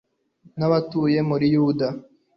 n'abatuye muri yudeya